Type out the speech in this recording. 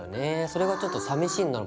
それがちょっとさみしいんだな